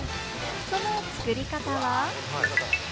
その作り方は。